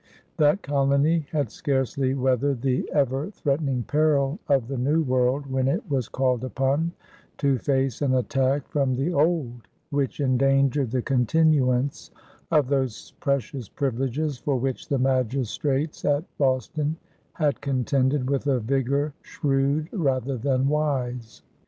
That colony had scarcely weathered the ever threatening peril of the New World when it was called upon to face an attack from the Old which endangered the continuance of those precious privileges for which the magistrates at Boston had contended with a vigor shrewd rather than wise.